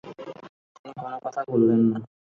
তিনি কোনো কথা বললেন না।